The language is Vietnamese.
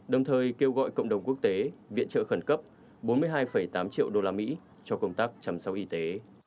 đồng thời kêu gọi cộng đồng quốc tế viện trợ khẩn cấp bốn mươi hai tám triệu đô la mỹ cho công tác chăm sóc y tế